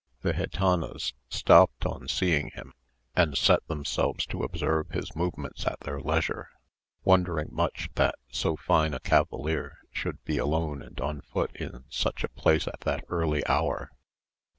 The gitanas stopped on seeing him, and set themselves to observe his movements at their leisure, wondering much that so fine a cavalier should be alone and on foot in such a place at that early hour.